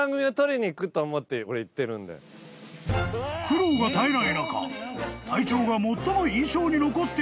［苦労が絶えない中］